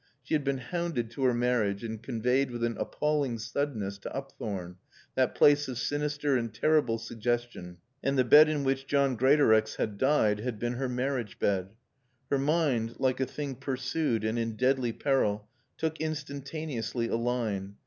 She had been hounded to her marriage and conveyed with an appalling suddenness to Upthorne, that place of sinister and terrible suggestion, and the bed in which John Greatorex had died had been her marriage bed. Her mind, like a thing pursued and in deadly peril, took instantaneously a line.